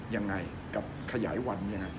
ยังไงกับขยายวันยังไง